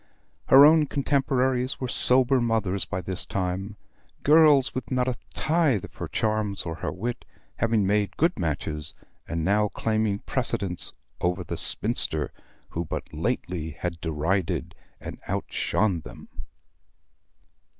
Her own contemporaries were sober mothers by this time; girls with not a tithe of her charms, or her wit, having made good matches, and now claiming precedence over the spinster who but lately had derided and outshone them.